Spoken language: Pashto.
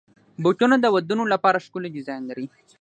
بوټونه د ودونو لپاره ښکلي ډیزاین لري.